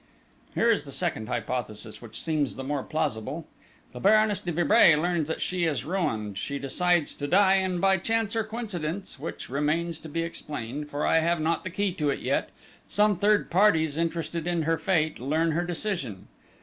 "Here is the second hypothesis, which seems the more plausible. The Baroness de Vibray learns that she is ruined, she decides to die, and by chance or coincidence, which remains to be explained, for I have not the key to it yet, some third parties interested in her fate, learn her decision.